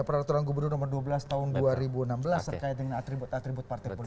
peraturan gubernur nomor dua belas tahun dua ribu enam belas terkait dengan atribut atribut partai politik